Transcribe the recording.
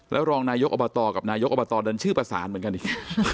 แล้วรองนายกอบตกับนายกอบตเดินชื่อประสานเหมือนกันอีก